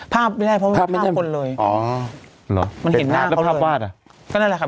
ภาพไม่ได้เพราะไม่ได้ภาพคนเลยมันเห็นหน้าเขาเลย